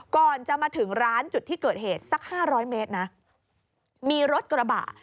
ก่อนจะมาถึงร้านจุดที่เกิดเหตุสักห้าร้อยเมตรนะมีรถกระบะ